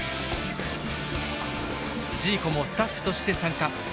ジーコもスタッフとして参加。